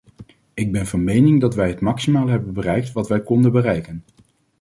Ik ben van mening dat wij het maximale hebben bereikt wat wij konden bereiken.